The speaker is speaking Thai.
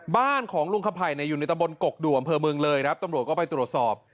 บ้านของลุงคำไผ่เนี่ยอยู่ในตะบนกกดวมเผลอเมืองเลยนะครับตำรวจก็ไปตรวจสอบ